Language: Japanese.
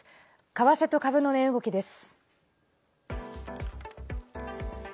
為替と株の値動きです。